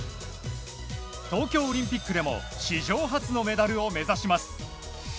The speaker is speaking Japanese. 東京オリンピックでも史上初のメダルを目指します。